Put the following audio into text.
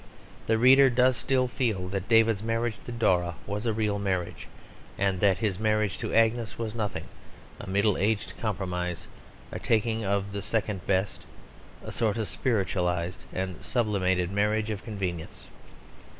The reader does still feel that David's marriage to Dora was a real marriage; and that his marriage to Agnes was nothing, a middle aged compromise, a taking of the second best, a sort of spiritualised and sublimated marriage of convenience.